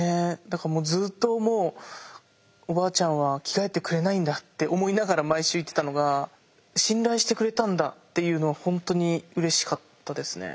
だからもうずっともうおばあちゃんは着替えてくれないんだって思いながら毎週行ってたのが信頼してくれたんだっていうのは本当にうれしかったですね。